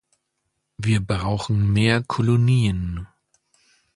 Wir brauchen mehr Kolonien.